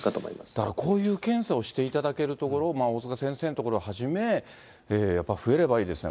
だからこういう検査をしていただける、大塚先生の所をはじめ、やっぱり増えればいいですね。